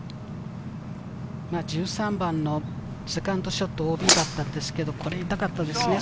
１３番のセカンドショット、ＯＢだったんですけれど、これが痛かったですね。